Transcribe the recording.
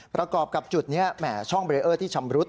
ประกอบกับจุดนี้แหม่ช่องเบรเออร์ที่ชำรุด